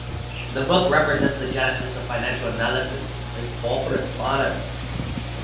The book represents the genesis of financial analysis and corporate finance.